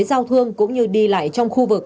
giao thương cũng như đi lại trong khu vực